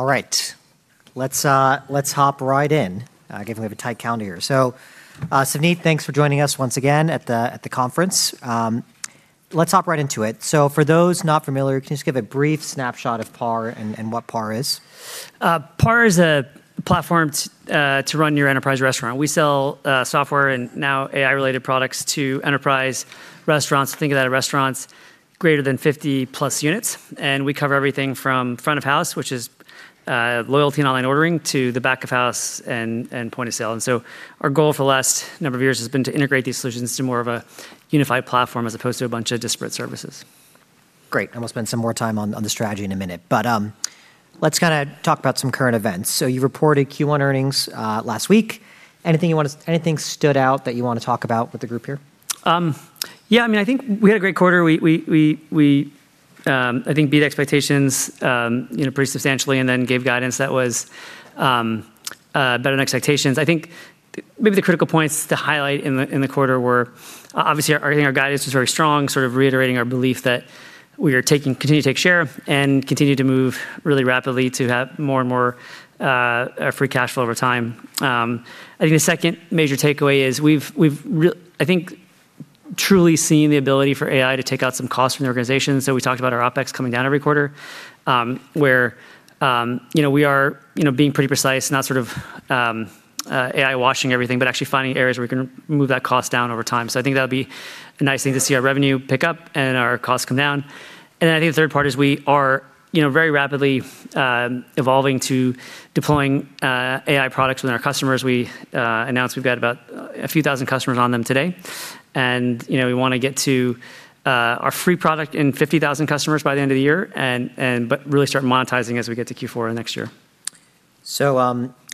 All right. Let's, let's hop right in. Given we have a tight calendar here. Savneet, thanks for joining us once again at the, at the conference. Let's hop right into it. For those not familiar, can you just give a brief snapshot of PAR and what PAR is? PAR is a platform to run your enterprise restaurant. We sell software and now AI-related products to enterprise restaurants. Think of that as restaurants greater than 50+ units, and we cover everything from front of house, which is loyalty and online ordering, to the back of house and point of sale. Our goal for the last number of years has been to integrate these solutions to more of a unified platform as opposed to a bunch of disparate services. Great. We'll spend some more time on the strategy in a minute. Let's kinda talk about some current events. You reported Q1 earnings last week. Anything you wanna anything stood out that you wanna talk about with the group here? I mean, I think we had a great quarter. We I think beat expectations, you know, pretty substantially then gave guidance that was better than expectations. I think maybe the critical points to highlight in the, in the quarter were obviously our, I think our guidance was very strong, sort of reiterating our belief that we are taking, continue to take share and continue to move really rapidly to have more and more free cash flow over time. I think the second major takeaway is we've I think truly seen the ability for AI to take out some costs from the organization. We talked about our OpEx coming down every quarter, where, you know, we are, you know, being pretty precise, not sort of AI washing everything, but actually finding areas where we can move that cost down over time. I think that'll be a nice thing to see our revenue pick up and our costs come down. I think the third part is we are, you know, very rapidly evolving to deploying AI products within our customers. We announced we've got about a few thousand customers on them today, and, you know, we wanna get to our free product in 50,000 customers by the end of the year and but really start monetizing as we get to Q4 next year.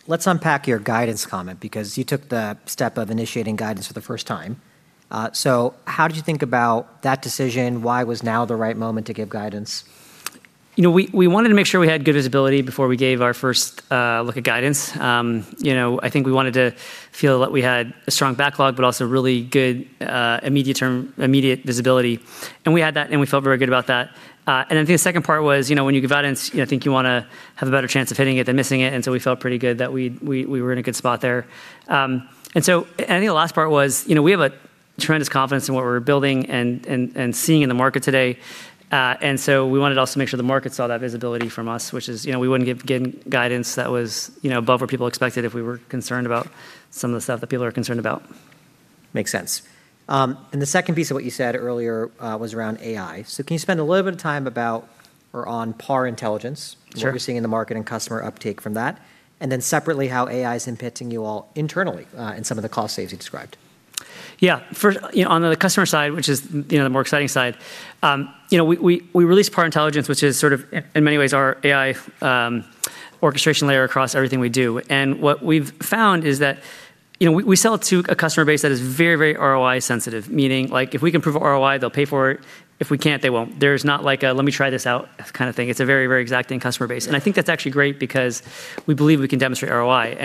Let's unpack your guidance comment because you took the step of initiating guidance for the first time. How did you think about that decision? Why was now the right moment to give guidance? You know, we wanted to make sure we had good visibility before we gave our first look of guidance. You know, I think we wanted to feel that we had a strong backlog, but also really good immediate term, immediate visibility. We had that, and we felt very good about that. I think the second part was, you know, when you give guidance, you know, I think you wanna have a better chance of hitting it than missing it, we felt pretty good that we were in a good spot there. I think the last part was, you know, we have a tremendous confidence in what we're building and seeing in the market today. We wanted also to make sure the market saw that visibility from us, which is, you know, we wouldn't give guidance that was, you know, above what people expected if we were concerned about some of the stuff that people are concerned about. Makes sense. The second piece of what you said earlier was around AI. Can you spend a little bit of time about or on PAR Intelligence? Sure What we're seeing in the market and customer uptake from that? Separately, how AI is impacting you all internally, in some of the cost saves you described. Yeah. First, you know, on the customer side, which is, you know, the more exciting side, you know, we released PAR Intelligence, which is sort of in many ways our AI orchestration layer across everything we do. What we've found is that, you know, we sell it to a customer base that is very, very ROI sensitive, meaning like if we can prove ROI, they'll pay for it. If we can't, they won't. There's not like a, "Let me try this out," kind of thing. It's a very, very exacting customer base. I think that's actually great because we believe we can demonstrate ROI.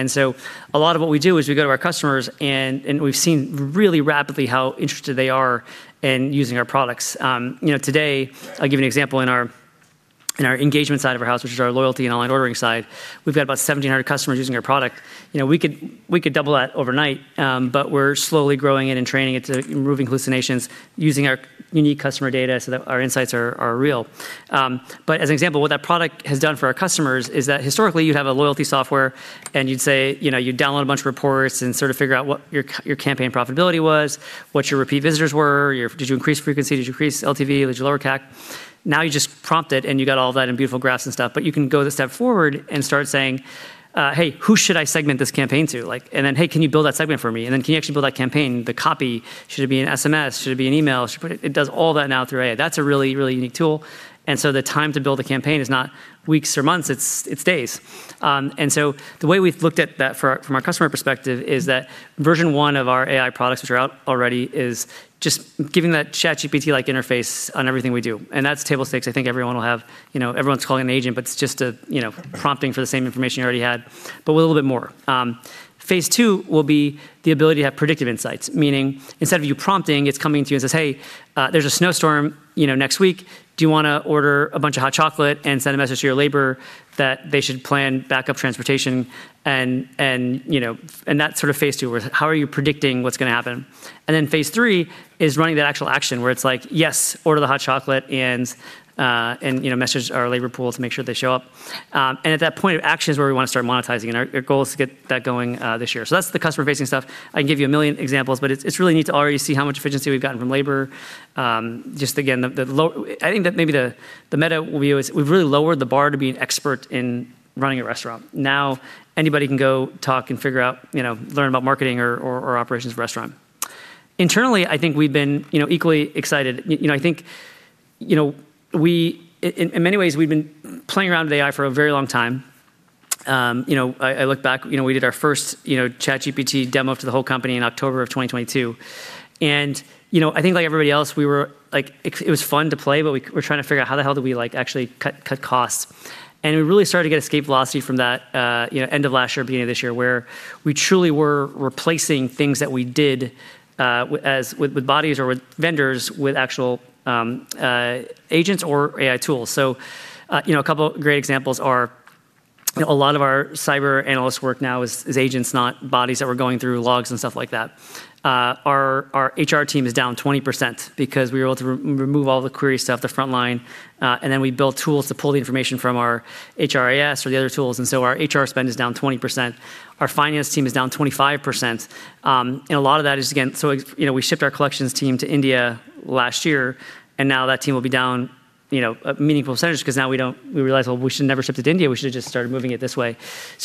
A lot of what we do is we go to our customers and we've seen really rapidly how interested they are in using our products. You know, today, I'll give you an example. In our engagement side of our house, which is our loyalty and online ordering side, we've got about 1,700 customers using our product. You know, we could double that overnight, but we're slowly growing it and training it to remove hallucinations using our unique customer data so that our insights are real. As an example, what that product has done for our customers is that historically you'd have a loyalty software and you'd say, you know, you download a bunch of reports and sort of figure out what your campaign profitability was, what your repeat visitors were, your did you increase frequency? Did you increase LTV? Did you lower CAC? You just prompt it, you got all that in beautiful graphs and stuff. You can go the step forward and start saying, "Hey, who should I segment this campaign to?" "Hey, can you build that segment for me? Can you actually build that campaign? The copy, should it be an SMS? Should it be an email?" It does all that now through AI. That's a really unique tool. The time to build a campaign is not weeks or months, it's days. The way we've looked at that for our, from our customer perspective is that version one of our AI products, which are out already, is just giving that ChatGPT-like interface on everything we do. That's table stakes. I think everyone will have, you know, everyone's calling them agentic, but it's just a, you know, prompting for the same information you already had, but with a little bit more. Phase II will be the ability to have predictive insights, meaning instead of you prompting, it's coming to you and says, "Hey, there's a snowstorm, you know, next week. Do you wanna order a bunch of hot chocolate and send a message to your labor that they should plan backup transportation?" That's sort of phase II, where how are you predicting what's gonna happen? Phase III is running that actual action where it's like, "Yes, order the hot chocolate," message our labor pool to make sure they show up. And at that point of action is where we wanna start monetizing, and our goal is to get that going this year. That's the customer-facing stuff. I can give you a million examples, but it's really neat to already see how much efficiency we've gotten from labor. Just again, the low. I think that maybe we've really lowered the bar to be an expert in running a restaurant. Now anybody can go talk and figure out, you know, learn about marketing or operations of a restaurant. Internally, I think we've been, you know, equally excited. You know, I think, you know, we in many ways, we've been playing around with AI for a very long time. You know, I look back, you know, we did our first, you know, ChatGPT demo to the whole company in October of 2022. You know, I think like everybody else, we were like it was fun to play, but we're trying to figure out how the hell do we like actually cut costs. We really started to get escape velocity from that, you know, end of last year, beginning of this year, where we truly were replacing things that we did as with bodies or with vendors with actual agents or AI tools. You know, a couple great examples are a lot of our cyber analyst work now is agents, not bodies that we're going through logs and stuff like that. Our HR team is down 20% because we were able to remove all the query stuff, the front line, we built tools to pull the information from our HRIS or the other tools. Our HR spend is down 20%. Our finance team is down 25%. A lot of that is, again, you know, we shipped our collections team to India last year, that team will be down, you know, a meaningful percentage 'cause now we realize, well, we should've never shipped it to India. We should've just started moving it this way.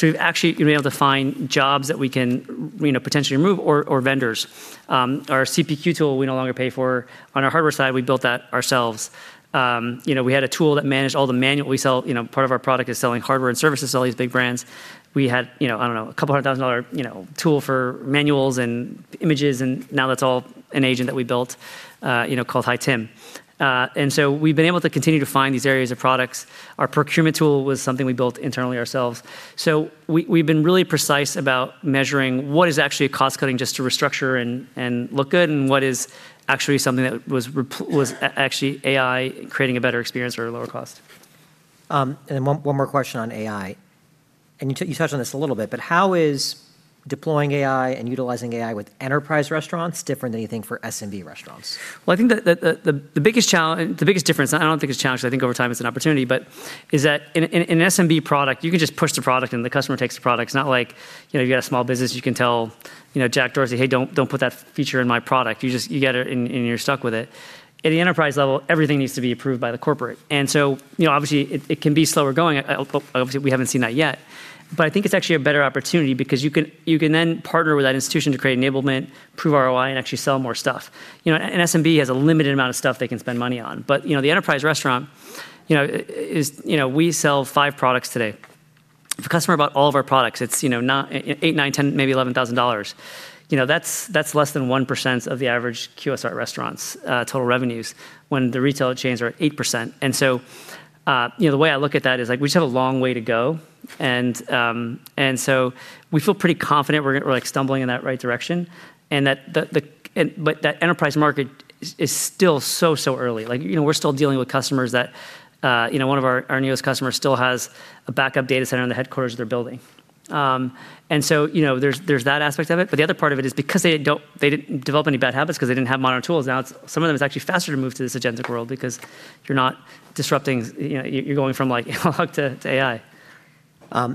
We've actually been able to find jobs that we can, you know, potentially remove or vendors. Our CPQ tool we no longer pay for. On our hardware side, we built that ourselves. You know, we had a tool that managed all the manual We sell, you know, part of our product is selling hardware and services to all these big brands. We had, I don't know, a $200,000, you know, tool for manuals and images. Now that's all an agent that we built, you know, called Hi Tim. We've been able to continue to find these areas of products. Our procurement tool was something we built internally ourselves. We've been really precise about measuring what is actually cost cutting just to restructure and look good, and what is actually something that was actually AI creating a better experience for a lower cost. Then one more question on AI. You touched on this a little bit, but how is deploying AI and utilizing AI with enterprise restaurants different than anything for SMB restaurants? Well, I think the biggest difference, I don't think it's a challenge 'cause I think over time it's an opportunity, but is that in an SMB product, you can just push the product and the customer takes the product. It's not like, you know, you've got a small business you can tell, you know, Jack Dorsey, "Hey, don't put that feature in my product." You just, you get it and you're stuck with it. At the enterprise level, everything needs to be approved by the corporate. You know, obviously it can be slower going. Obviously we haven't seen that yet. I think it's actually a better opportunity because you can then partner with that institution to create enablement, prove ROI, and actually sell more stuff. You know, SMB has a limited amount of stuff they can spend money on. You know, the enterprise restaurant is, you know, we sell five products today. If a customer bought all of our products, it's, you know, $8,000, $9,000, $10,000, maybe $11,000. You know, that's less than 1% of the average QSR restaurant's total revenues, when the retail chains are at 8%. You know, the way I look at that is, like, we just have a long way to go. We feel pretty confident we're, like, stumbling in that right direction and that enterprise market is still so early. Like, you know, we're still dealing with customers that, you know, one of our newest customers still has a backup data center in the headquarters they're building. You know, there's that aspect of it. The other part of it is because they don't, they didn't develop any bad habits 'cause they didn't have modern tools, now some of them it's actually faster to move to this agentic world because you're not disrupting, you know, you're going from like a log to AI.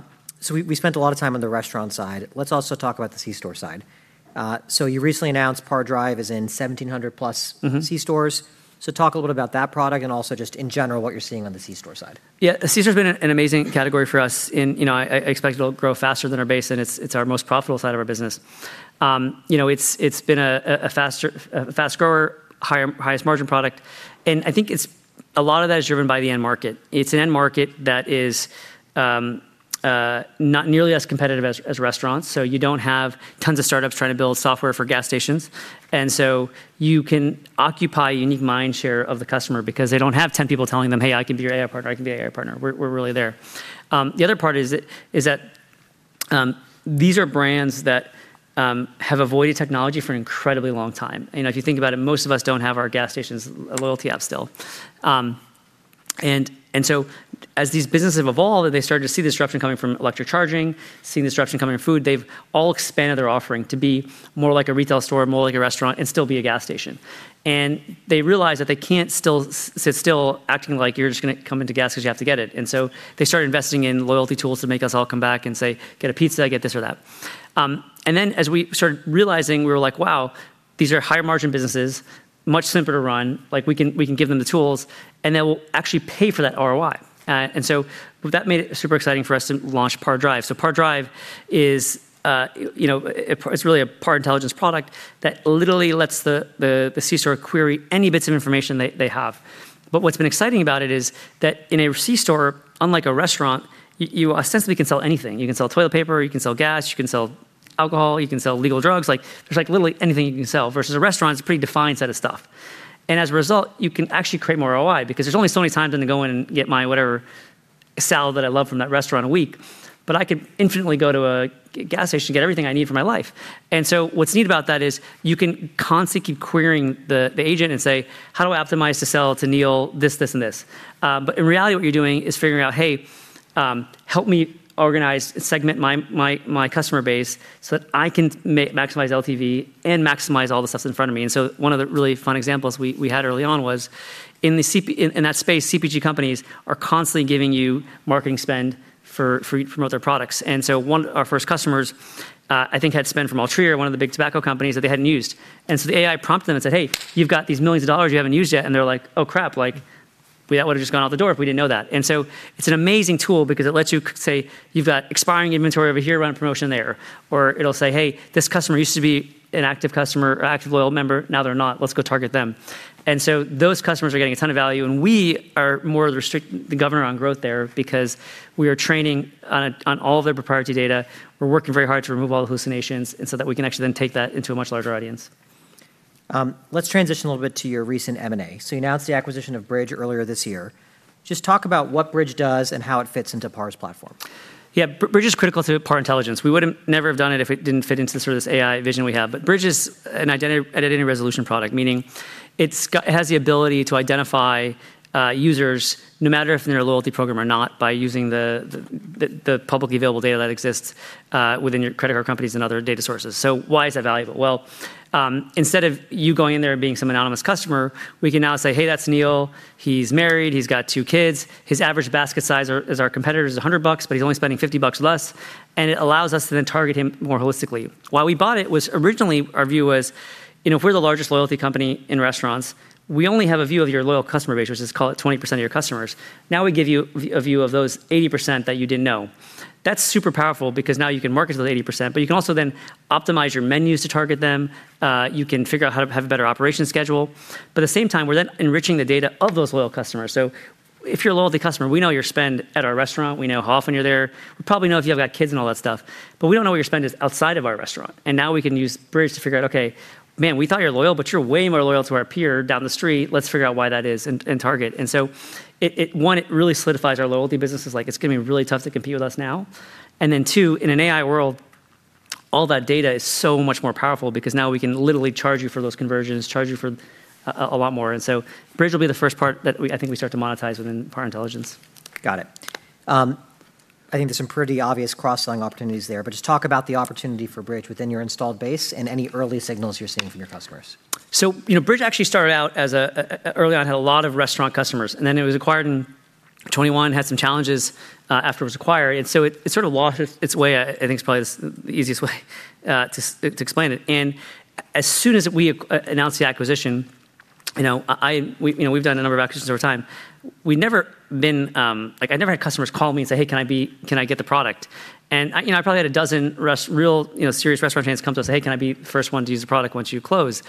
We spent a lot of time on the restaurant side. Let's also talk about the C-store side. You recently announced PAR Drive is in 1,700+. C-stores. Talk a little bit about that product and also just in general what you're seeing on the C-store side. Yeah. C-store's been an amazing category for us and, you know, I expect it'll grow faster than our base and it's our most profitable side of our business. You know, it's been a faster, a fast grower, higher, highest margin product, and I think a lot of that is driven by the end market. It's an end market that is not nearly as competitive as restaurants, so you don't have tons of startups trying to build software for gas stations. You can occupy unique mind share of the customer because they don't have 10 people telling them, "Hey, I can be your AI partner. I can be your AI partner." We're really there. The other part is that these are brands that have avoided technology for an incredibly long time. If you think about it, most of us don't have our gas station's loyalty app still. As these businesses have evolved, they started to see the disruption coming from electric charging, seeing the disruption coming from food. They've all expanded their offering to be more like a retail store, more like a restaurant, and still be a gas station. They realize that they can't still sit still acting like you're just gonna come into gas 'cause you have to get it. They started investing in loyalty tools to make us all come back and say, "Get a pizza, get this or that." As we started realizing, we were like, "Wow, these are higher margin businesses, much simpler to run. Like, we can give them the tools, and they will actually pay for that ROI. That made it super exciting for us to launch PAR Drive. PAR Drive is, you know, it's really a PAR Intelligence product that literally lets the C-store query any bits of information they have. What's been exciting about it is that in a C-store, unlike a restaurant, you ostensibly can sell anything. You can sell toilet paper, you can sell gas, you can sell alcohol, you can sell legal drugs. Like, there's like literally anything you can sell, versus a restaurant, it's a pretty defined set of stuff. As a result, you can actually create more ROI because there's only so many times I'm gonna go in and get my whatever salad that I love from that restaurant a week. I could infinitely go to a gas station to get everything I need for my life. What's neat about that is you can constantly keep querying the agent and say, "How do I optimize to sell to Neil this, and this?" In reality what you're doing is figuring out, "Hey, help me organize and segment my customer base so that I can maximize LTV and maximize all the stuff that's in front of me." One of the really fun examples we had early on was in that space, CPG companies are constantly giving you marketing spend for to promote their products. One, our first customers, I think had spend from Altria, one of the big tobacco companies, that they hadn't used. The AI prompted them and said, "Hey, you've got these millions of dollars you haven't used yet." They're like, "Oh, crap. Like, that would've just gone out the door if we didn't know that." It's an amazing tool because it lets you say, "You've got expiring inventory over here, run a promotion there." Or it'll say, "Hey, this customer used to be an active customer or active loyal member. Now they're not. Let's go target them." Those customers are getting a ton of value, and we are more the governor on growth there because we are training on all of their proprietary data. We're working very hard to remove all the hallucinations and so that we can actually then take that into a much larger audience. Let's transition a little bit to your recent M&A. You announced the acquisition of Bridg earlier this year. Just talk about what Bridg does and how it fits into PAR's platform. Yeah. Bridg is critical to PAR Intelligence. We wouldn't never have done it if it didn't fit into sort of this AI vision we have. Bridg is an identity resolution product, meaning it has the ability to identify users, no matter if they're in a loyalty program or not, by using the publicly available data that exists within your credit card companies and other data sources. Why is that valuable? Well, instead of you going in there and being some anonymous customer, we can now say, "Hey, that's Neil. He's married, he's got two kids. His average basket size at our competitor's is $100, but he's only spending $50 less." It allows us to then target him more holistically. Why we bought it was originally our view was, you know, if we're the largest loyalty company in restaurants, we only have a view of your loyal customer base, which is, call it, 20% of your customers. Now we give you a view of those 80% that you didn't know. That's super powerful because now you can market to the 80%, but you can also then optimize your menus to target them. You can figure out how to have a better operation schedule. But at the same time, we're then enriching the data of those loyal customers. If you're a loyalty customer, we know your spend at our restaurant, we know how often you're there. We probably know if you have got kids and all that stuff, but we don't know what your spend is outside of our restaurant. Now we can use Bridg to figure out, okay, man, we thought you were loyal, but you're way more loyal to our peer down the street. Let's figure out why that is and target. It, one, really solidifies our loyalty business as like it's going to be really tough to compete with us now. Two, in an AI world, all that data is so much more powerful because now we can literally charge you for those conversions, charge you for a lot more. Bridg will be the first part that I think we start to monetize within PAR Intelligence. Got it. I think there's some pretty obvious cross-selling opportunities there. Just talk about the opportunity for Bridg within your installed base and any early signals you're seeing from your customers. You know, Bridg actually started out as Early on, had a lot of restaurant customers, and then it was acquired in 2021, had some challenges after it was acquired. it sort of lost its way, I think is probably the easiest way to explain it. as soon as we announced the acquisition, you know, we, you know, we've done a number of acquisitions over time. We'd never been like I never had customers call me and say: "Hey, can I get the product?" I, you know, I probably had 12 real, you know, serious restaurant chains come to us and say: "Hey, can I be the first one to use the product once you close?"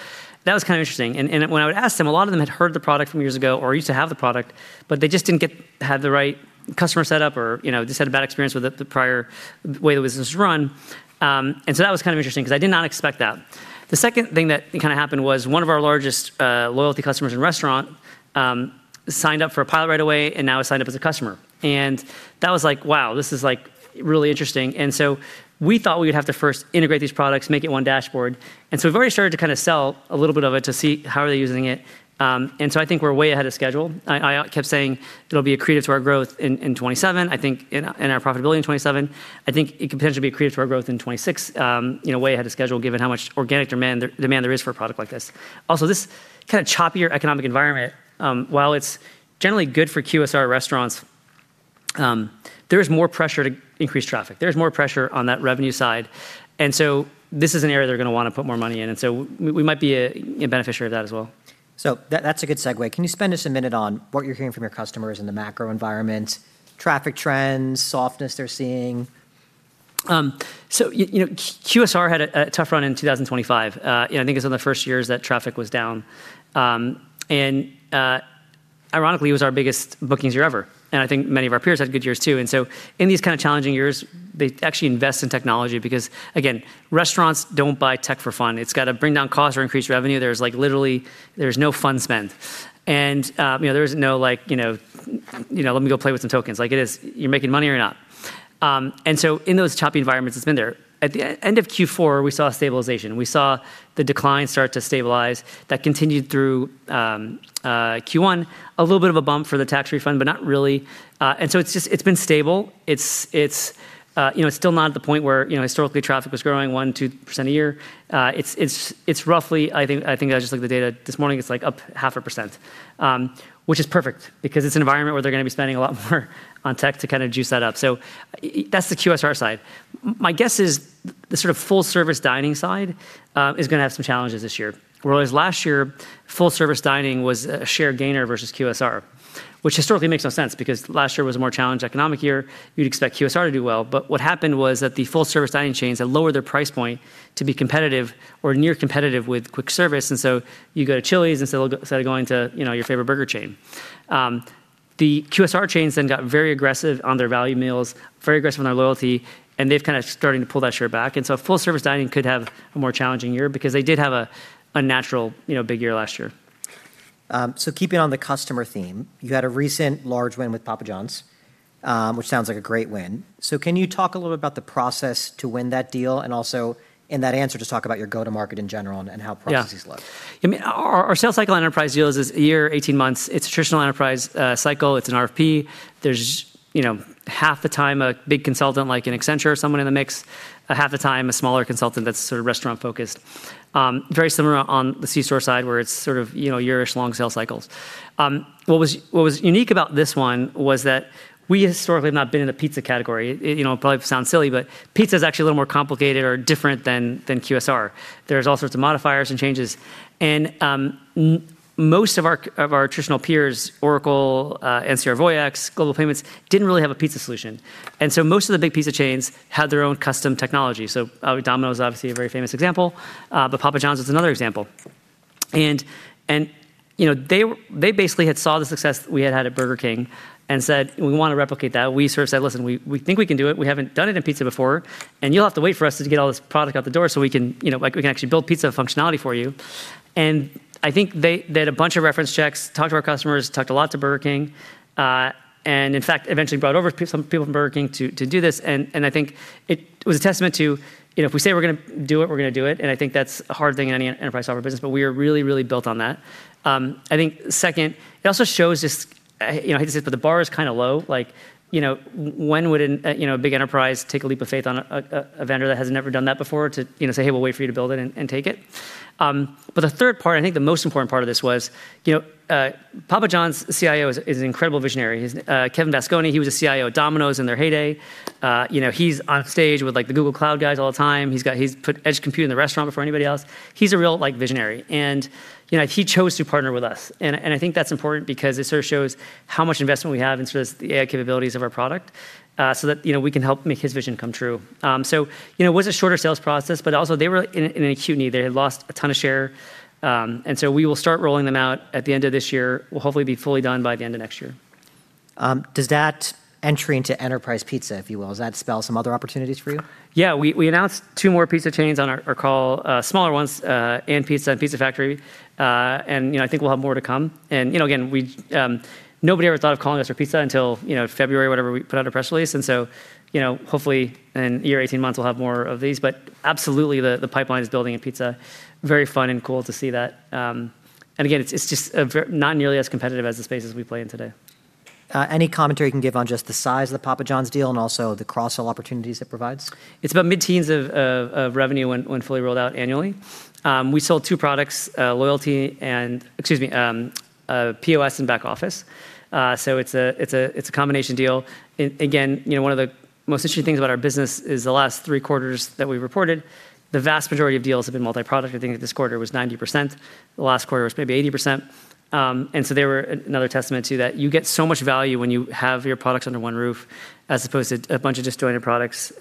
That was kind of interesting. When I would ask them, a lot of them had heard the product from years ago or used to have the product, but they just didn't have the right customer setup or, you know, just had a bad experience with the prior way the business was run. That was kind of interesting because I did not expect that. The second thing that kind of happened was one of our largest loyalty customers in restaurant signed up for a pilot right away and now has signed up as a customer. That was like, wow, this is like really interesting. We thought we would have to first integrate these products, make it one dashboard. We've already started to kind of sell a little bit of it to see how are they using it. I think we're way ahead of schedule. I kept saying it'll be accretive to our growth in 2027, I think in our profitability in 2027. I think it could potentially be accretive to our growth in 2026, you know, way ahead of schedule given how much organic demand there is for a product like this. This kind of choppier economic environment, while it's generally good for QSR restaurants, there is more pressure to increase traffic. There's more pressure on that revenue side. This is an area they're going to want to put more money in, so we might be a beneficiary of that as well. That, that's a good segue. Can you spend just a minute on what you're hearing from your customers in the macro environment, traffic trends, softness they're seeing? You know, QSR had a tough run in 2025. You know, I think it's one of the first years that traffic was down. Ironically, it was our biggest bookings year ever, I think many of our peers had good years too. In these kind of challenging years, they actually invest in technology because again, restaurants don't buy tech for fun. It's got to bring down costs or increase revenue. There's like literally there's no fun spend. You know, there is no like, you know, let me go play with some tokens. Like it is you're making money or you're not. In those choppy environments, it's been there. At the end of Q4, we saw stabilization. We saw the decline start to stabilize. That continued through Q1. A little bit of a bump for the tax refund, not really. It's just, it's been stable. It's, you know, it's still not at the point where, you know, historically traffic was growing 1%, 2% a year. It's roughly, I think as I just looked at the data this morning, it's like up 0.5%, which is perfect because it's an environment where they're going to be spending a lot more on tech to kind of juice that up. That's the QSR side. My guess is the sort of full service dining side, is gonna have some challenges this year. Whereas last year, full service dining was a share gainer versus QSR, which historically makes no sense because last year was a more challenged economic year. You'd expect QSR to do well. What happened was that the full service dining chains had lowered their price point to be competitive or near competitive with quick service. You go to Chili's instead of going to, you know, your favorite burger chain. The QSR chains got very aggressive on their value meals, very aggressive on their loyalty, and they've kind of starting to pull that share back. Full service dining could have a more challenging year because they did have a natural, you know, big year last year. Keeping on the customer theme, you had a recent large win with Papa John's, which sounds like a great win. Can you talk a little bit about the process to win that deal? Also in that answer, just talk about your go-to-market in general and how processes look. Yeah. I mean, our sales cycle enterprise deals is a year, 18 months. It's a traditional enterprise cycle. It's an RFP. There's, you know, half the time a big consultant like an Accenture or someone in the mix, half the time a smaller consultant that's sort of restaurant focused. Very similar on the C-store side where it's sort of, you know, year-ish long sales cycles. What was unique about this one was that we historically have not been in the pizza category. You know, it probably sounds silly, but pizza is actually a little more complicated or different than QSR. There's all sorts of modifiers and changes. Most of our traditional peers, Oracle, NCR Voyix, Global Payments, didn't really have a pizza solution. Most of the big pizza chains had their own custom technology. Domino's obviously a very famous example, but Papa John's is another example. You know, they basically had saw the success we had had at Burger King and said, "We want to replicate that." We sort of said: "Listen, we think we can do it. We haven't done it in pizza before, and you'll have to wait for us to get all this product out the door so we can, you know, like we can actually build pizza functionality for you." I think they had a bunch of reference checks, talked to our customers, talked a lot to Burger King, and in fact, eventually brought over some people from Burger King to do this. I think it was a testament to, you know, if we say we're gonna do it, we're gonna do it. I think that's a hard thing in any enterprise software business, but we are really, really built on that. I think second, it also shows this, you know, I hate to say it, but the bar is kind of low. Like, you know, when would a, you know, a big enterprise take a leap of faith on a vendor that has never done that before to, you know, say, "Hey, we'll wait for you to build it and take it"? But the third part, I think the most important part of this was, you know, Papa John's CIO is an incredible visionary. Kevin Vasconi, he was a CIO at Domino's in their heyday. You know, he's on stage with, like, the Google Cloud guys all the time. He's put edge compute in the restaurant before anybody else. He's a real, like, visionary. You know, he chose to partner with us, and I think that's important because it sort of shows how much investment we have in sort of the AI capabilities of our product, so that, you know, we can help make his vision come true. You know, it was a shorter sales process, but also they were in an acute need. They had lost a ton of share. We will start rolling them out at the end of this year. We'll hopefully be fully done by the end of next year. Does that entry into enterprise pizza, if you will, does that spell some other opportunities for you? Yeah. We announced two more pizza chains on our call, smaller ones, &pizza and Pizza Factory. You know, I think we'll have more to come. You know, again, we, nobody ever thought of calling us for pizza until, you know, February, whatever, we put out a press release. You know, hopefully in a year or 18 months we'll have more of these. Absolutely the pipeline is building in pizza. Very fun and cool to see that. Again, it's just not nearly as competitive as the spaces we play in today. Any commentary you can give on just the size of the Papa John's deal and also the cross-sell opportunities it provides? It's about mid-teens of revenue when fully rolled out annually. We sold two products, loyalty and POS and Back Office. It's a combination deal. Again, you know, one of the most interesting things about our business is the last three quarters that we've reported, the vast majority of deals have been multi-product. I think this quarter it was 90%. The last quarter it was maybe 80%. They were another testament to that. You get so much value when you have your products under one roof as opposed to a bunch of disjointed products. You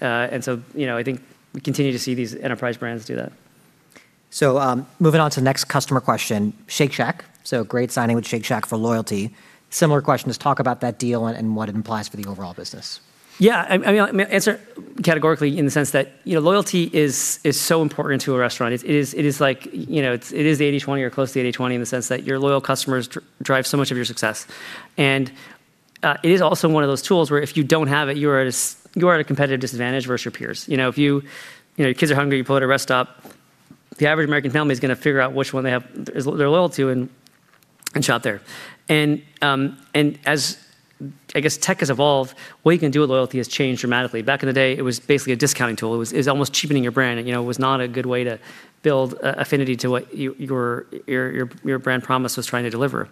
know, I think we continue to see these enterprise brands do that. Moving on to the next customer question, Shake Shack. Great signing with Shake Shack for loyalty. Similar question. Just talk about that deal and what it implies for the overall business. Yeah. I mean, I'll answer categorically in the sense that, you know, loyalty is so important to a restaurant. It is like, you know, it is the 80/20 or close to the 80/20 in the sense that your loyal customers drive so much of your success. It is also one of those tools where if you don't have it, you are at a competitive disadvantage versus your peers. You know, if you know, your kids are hungry, you pull at a rest stop, the average American family is going to figure out which one they have, they're loyal to and shop there. As, I guess, tech has evolved, what you can do with loyalty has changed dramatically. Back in the day, it was basically a discounting tool. It was almost cheapening your brand, you know, it was not a good way to build affinity to what your brand promise was trying to deliver.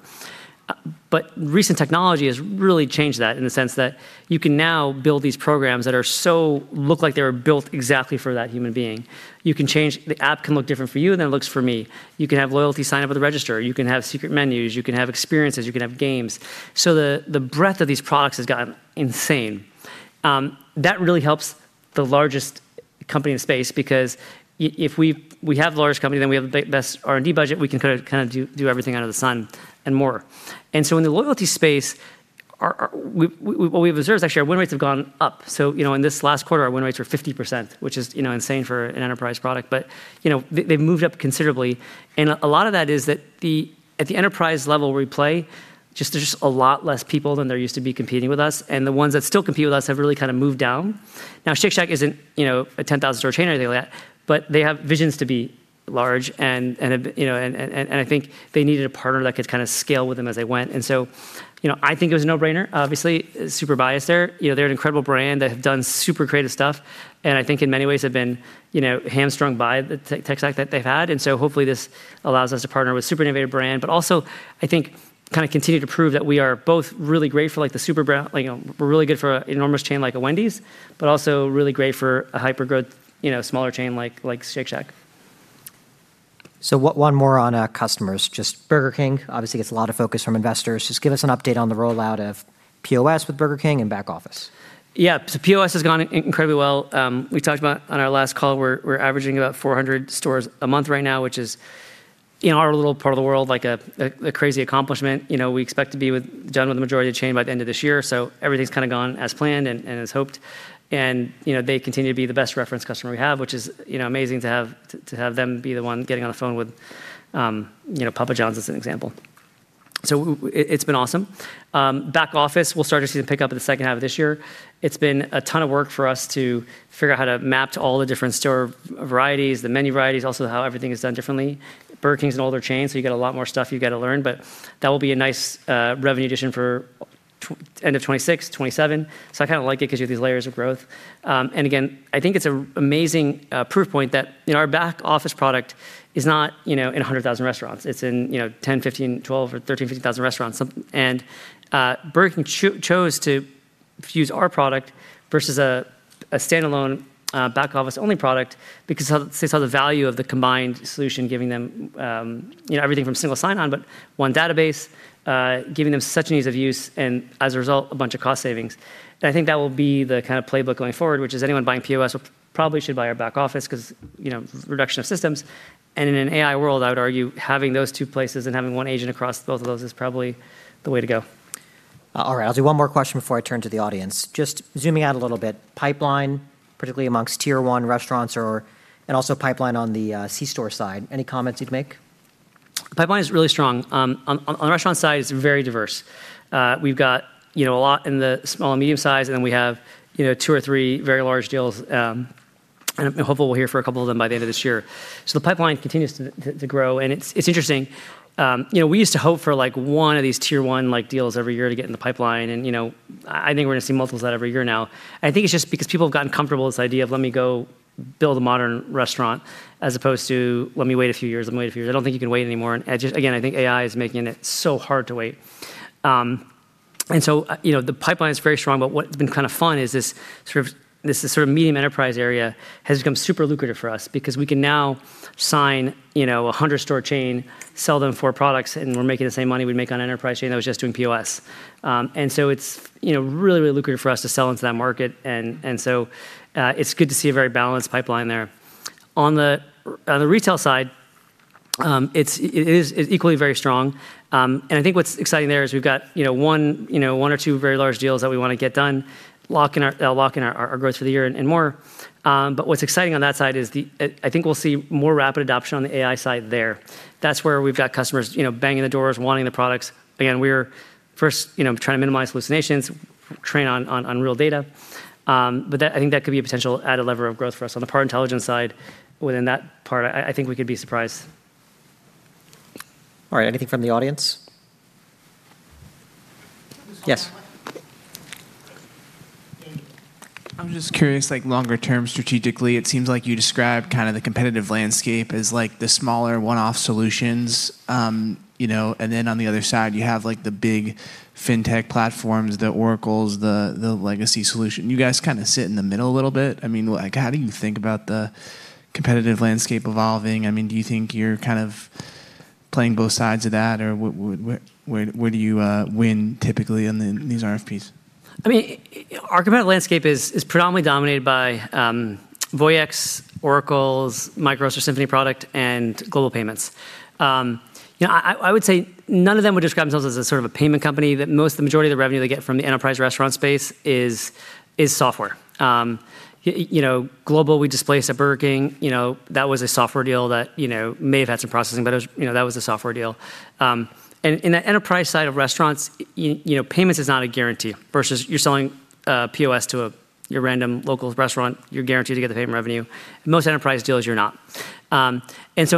Recent technology has really changed that in the sense that you can now build these programs that are so look like they were built exactly for that human being. The app can look different for you than it looks for me. You can have loyalty sign up at the register. You can have secret menus. You can have experiences. You can have games. The breadth of these products has gotten insane. That really helps the largest company in the space because if we have the largest company, then we have the best R&D budget, we can kind of do everything under the sun and more. In the loyalty space, our what we've observed is actually our win rates have gone up. You know, in this last quarter, our win rates were 50%, which is, you know, insane for an enterprise product. You know, they've moved up considerably. A lot of that is that at the enterprise level where we play, just there's just a lot less people than there used to be competing with us. The ones that still compete with us have really kind of moved down. Now, Shake Shack isn't, you know, a 10,000 store chain or anything like that, but they have visions to be large and, you know, and I think they needed a partner that could kind of scale with them as they went. You know, I think it was a no-brainer. Obviously super biased there. You know, they're an incredible brand. They have done super creative stuff, and I think in many ways have been, you know, hamstrung by the tech stack that they've had. Hopefully this allows us to partner with a super innovative brand, but also I think kind of continue to prove that we are both really great for, like, the super brand. You know, we're really good for an enormous chain like a Wendy's, but also really great for a hyper-growth, you know, smaller chain like Shake Shack. One more on our customers. Just Burger King obviously gets a lot of focus from investors. Just give us an update on the rollout of POS with Burger King and Back Office. POS has gone incredibly well. We talked about on our last call, we're averaging about 400 stores a month right now, which is, in our little part of the world, like a crazy accomplishment. You know, we expect to be done with the majority of the chain by the end of this year. Everything's kind of gone as planned and as hoped. You know, they continue to be the best reference customer we have, which is, you know, amazing to have them be the one getting on the phone with Papa John's as an example. It's been awesome. Back Office, we'll start to see the pickup in the second half of this year. It's been a ton of work for us to figure out how to map to all the different store varieties, the menu varieties, also how everything is done differently. Burger King's an older chain, so you got a lot more stuff you got to learn, but that will be a nice revenue addition for end of 2026, 2027. I kind of like it 'cause you have these layers of growth. And again, I think it's an amazing proof point that, you know, our Back Office product is not, you know, in 100,000 restaurants. It's in, you know, 10, 15, 12 or 13, 15,000 restaurants. Burger King chose to use our product versus a standalone Back Office only product because how they saw the value of the combined solution giving them, you know, everything from single sign-on, but 1 database, giving them such an ease of use and as a result, a bunch of cost savings. I think that will be the kind of playbook going forward, which is anyone buying POS will probably should buy our Back Office because, you know, reduction of systems. In an AI world, I would argue having those two places and having one agent across both of those is probably the way to go. All right, I'll do one more question before I turn to the audience. Just zooming out a little bit. Pipeline, particularly amongst T1 restaurants and also pipeline on the C-store side. Any comments you'd make? Pipeline is really strong. On the restaurant side, it's very diverse. We've got, you know, a lot in the small and medium size, and then we have, you know, two or three very large deals. Hopefully we'll hear from a couple of them by the end of this year. The pipeline continues to grow, and it's interesting. You know, we used to hope for like one of these T1 like deals every year to get in the pipeline. You know, I think we're gonna see multiples of that every year now. I think it's just because people have gotten comfortable with this idea of let me go build a modern restaurant as opposed to let me wait a few years. I don't think you can wait anymore. I just, again, I think AI is making it so hard to wait. You know, the pipeline is very strong, but what's been kind of fun is this sort of, this is sort of medium enterprise area has become super lucrative for us because we can now sign, you know, a 100 store chain, sell them four products, and we're making the same money we'd make on enterprise chain that was just doing POS. It's, you know, really, really lucrative for us to sell into that market. It's good to see a very balanced pipeline there. On the, on the retail side, it's, it is equally very strong. I think what's exciting there is we've got, you know, one or two very large deals that we want to get done, lock in our growth for the year and more. What's exciting on that side is, I think we'll see more rapid adoption on the AI side there. That's where we've got customers, you know, banging the doors, wanting the products. Again, we're first, you know, trying to minimize hallucinations, train on real data. That, I think that could be a potential added lever of growth for us. On the PAR Intelligence side, within that PAR, I think we could be surprised. All right. Anything from the audience? Yes. I'm just curious, like longer term strategically, it seems like you described kind of the competitive landscape as like the smaller one-off solutions, you know, and then on the other side, you have like the big fintech platforms, the Oracles, the legacy solution. You guys kind of sit in the middle a little bit. I mean, like, how do you think about the competitive landscape evolving? I mean, do you think you're kind of playing both sides of that? Or where do you win typically in these RFPs? I mean, our competitive landscape is predominantly dominated by Voyix, Oracle MICROS Simphony product, and Global Payments. You know, I would say none of them would describe themselves as a sort of a payment company, but most of the majority of the revenue they get from the enterprise restaurant space is software. You know, Global, we displaced at Burger King, you know, that was a software deal that, you know, may have had some processing, but it was, you know, that was a software deal. In the enterprise side of restaurants, you know, payments is not a guarantee versus you're selling POS to your random local restaurant, you're guaranteed to get the payment revenue. Most enterprise deals you're not. In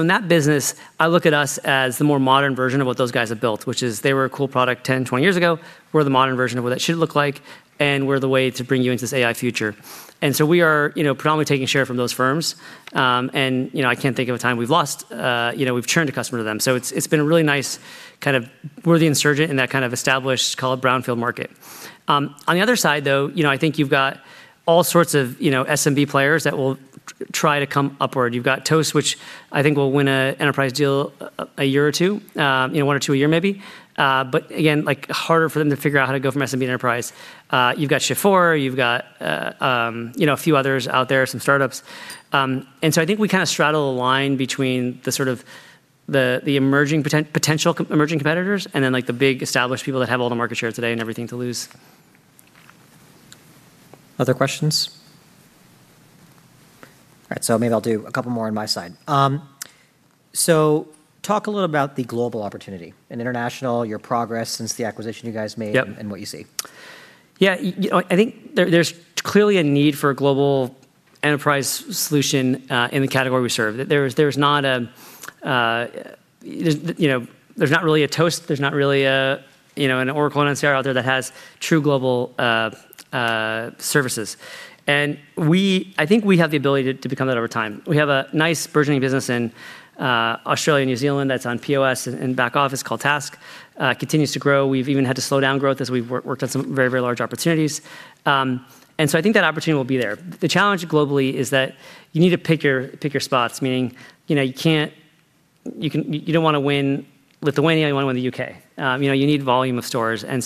that business, I look at us as the more modern version of what those guys have built, which is they were a cool product 10, 20 years ago. We're the modern version of what that should look like, and we're the way to bring you into this AI future. We are, you know, predominantly taking share from those firms. You know, I can't think of a time we've lost, you know, we've churned a customer to them. It's, it's been a really nice kind of we're the insurgent in that kind of established call it brownfield market. On the other side, though, you know, I think you've got all sorts of, you know, SMB players that will try to come upward. You've got Toast, which I think will win a enterprise deal a year or two, you know, one or two a year maybe. Again, like harder for them to figure out how to go from SMB to enterprise. You've got Xenial, you've got, you know, a few others out there, some startups. I think we kind of straddle the line between the sort of the emerging potential emerging competitors and then like the big established people that have all the market share today and everything to lose. Other questions? All right, so maybe I'll do a couple more on my side. Talk a little about the global opportunity and international, your progress since the acquisition you guys made. Yep What you see. Yeah, you know, I think there's clearly a need for a global enterprise solution in the category we serve. There's not a, you know, there's not really a Toast. There's not really a, you know, an Oracle or NCR out there that has true global services. We, I think we have the ability to become that over time. We have a nice burgeoning business in Australia and New Zealand that's on POS and Back Office called TASK, continues to grow. We've even had to slow down growth as we've worked on some very large opportunities. I think that opportunity will be there. The challenge globally is that you need to pick your spots, meaning, you know, you don't want to uncertain, you only want to win the U.K. You know, you need volume of stores. One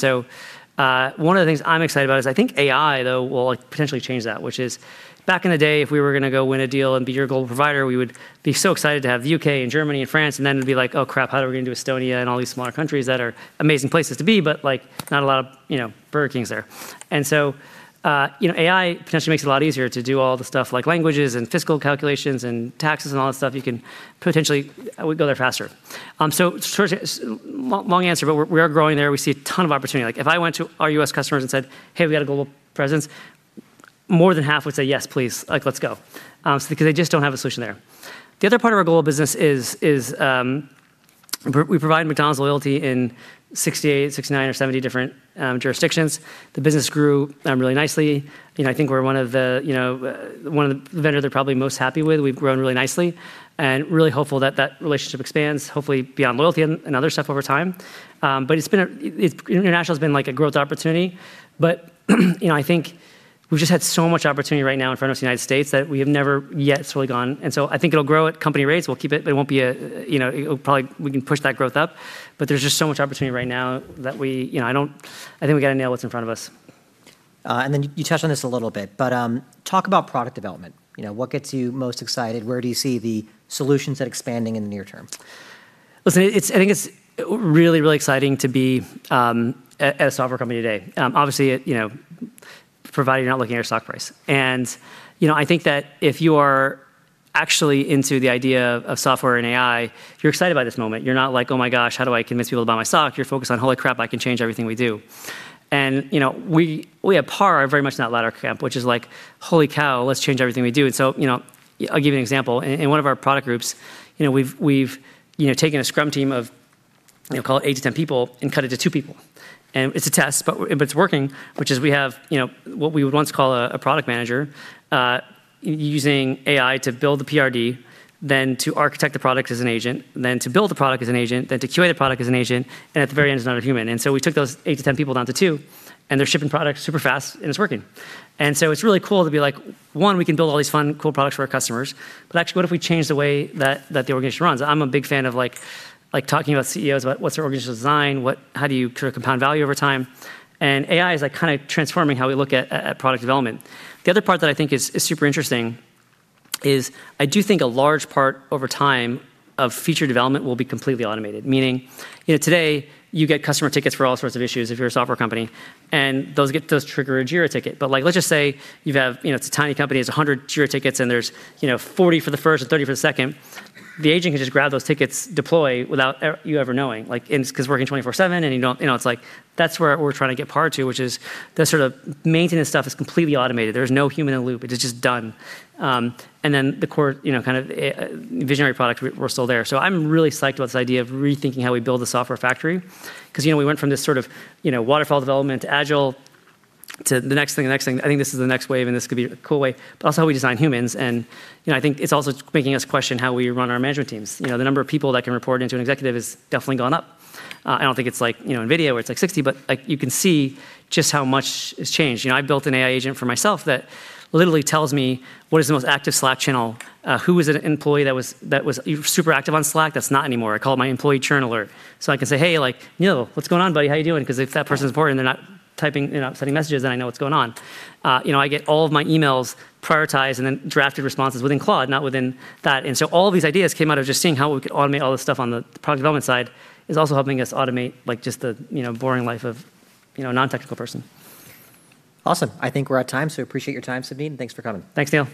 of the things I'm excited about is I think AI, though, will potentially change that, which is back in the day, if we were going to go win a deal and be your global provider, we would be so excited to have U.K. and Germany and France, and then it'd be like, "Oh, crap, how are we going to do Estonia and all these smaller countries that are amazing places to be, but like not a lot of, you know, Burger Kings there." You know, AI potentially makes it a lot easier to do all the stuff like languages and fiscal calculations and taxes and all that stuff. You can potentially go there faster. Short, long answer, but we are growing there. We see a ton of opportunity. Like if I went to our U.S. customers and said, "Hey, we got a global presence," more than half would say, "Yes, please. Like, let's go." Because they just don't have a solution there. The other part of our global business, we provide McDonald's loyalty in 68, 69 or 70 different jurisdictions. The business grew really nicely. You know, I think we're one of the, you know, one of the vendor they're probably most happy with. We've grown really nicely and really hopeful that that relationship expands, hopefully beyond loyalty and other stuff over time. International has been like a growth opportunity. You know, I think we've just had so much opportunity right now in front of the United States that we have never yet slowly gone. I think it'll grow at company rates. We'll keep it, but it won't be a, you know, it'll probably we can push that growth up. There's just so much opportunity right now that we, you know, I don't I think we got to nail what's in front of us. You touched on this a little bit, but talk about product development. You know, what gets you most excited? Where do you see the solutions that expanding in the near term? Listen, it's, I think it's really, really exciting to be a software company today. Obviously, you know, provided you're not looking at your stock price. I think that if you are actually into the idea of software and AI, if you're excited by this moment, you're not like, "Oh my gosh, how do I convince people to buy my stock?" You're focused on, "Holy crap, I can change everything we do." You know, we at PAR are very much in that latter camp, which is like, "Holy cow, let's change everything we do." I'll give you an example. In one of our product groups, you know, we've, you know, taken a scrum team of, we call it eight-10 people and cut it to two people. It's a test, but it's working, which is we have, you know, what we would once call a product manager, using AI to build the PRD, then to architect the product as an agent, then to build the product as an agent, then to QA the product as an agent, and at the very end is another human. We took those eight-10 people down to two. They're shipping products super fast, and it's working. It's really cool to be like, one, we can build all these fun, cool products for our customers, but actually, what if we change the way that the organization runs? I'm a big fan of like talking about CEOs, about what's their organizational design, how do you create compound value over time? AI is like kinda transforming how we look at product development. The other part that I think is super interesting is I do think a large part over time of feature development will be completely automated. Meaning, you know, today, you get customer tickets for all sorts of issues if you're a software company, and those trigger a Jira ticket. Like let's just say you have, you know, it's a tiny company, it's 100 Jira tickets, and there's, you know, 40 for the first and 30 for the second. The agent can just grab those tickets, deploy without you ever knowing. It's 'cause we're working 24/7, and you know, it's like that's where we're trying to get PAR to, which is the sort of maintenance stuff is completely automated. There's no human in the loop. It is just done. The core, you know, kind of visionary product, we're still there. I'm really psyched about this idea of rethinking how we build a software factory. Because, you know, we went from this sort of, you know, waterfall development to agile to the next thing, the next thing. I think this is the next wave, and this could be a cool way. Also how we design humans and, you know, I think it's also making us question how we run our management teams. You know, the number of people that can report into an executive has definitely gone up. I don't think it's like, you know, NVIDIA, where it's like 60, but like you can see just how much has changed. You know, I built an AI agent for myself that literally tells me what is the most active Slack channel, who is an employee that was super active on Slack that's not anymore. I call it my employee churn alert. I can say, "Hey, like Neil, what's going on, buddy? How you doing?" 'Cause if that person's important, they're not typing, you know, sending messages, then I know what's going on. You know, I get all of my emails prioritized and then drafted responses within Claude, not within that. All of these ideas came out of just seeing how we could automate all this stuff on the product development side. It's also helping us automate like just the, you know, boring life of, you know, a non-technical person. Awesome. I think we're at time. Appreciate your time, Savneet Singh. Thanks for coming.